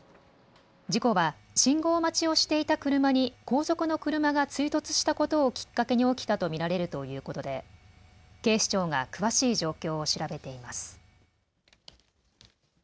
事故は、信号待ちをしていた車に後続の車が追突したことをきっかけに起きたと見られるということで警視庁が詳しい状況を調べています。